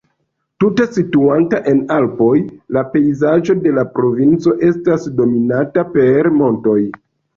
Tute situanta en la Alpoj, la pejzaĝo de la provinco estas dominita per montoj.